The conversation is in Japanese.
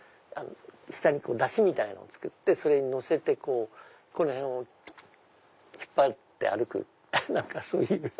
下に山車みたいなのを作ってそれに載せてこの辺を引っ張って歩く何かそういう。